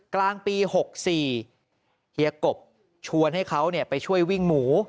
กลางปี๖๔เฮียกบชวนให้เขาไปช่วยวิ่งหมู